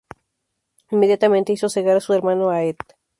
Inmediatamente hizo cegar a su hermano Áed.